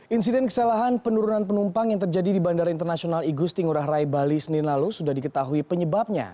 insiden kesalahan penurunan penumpang yang terjadi di bandara internasional igusti ngurah rai bali senin lalu sudah diketahui penyebabnya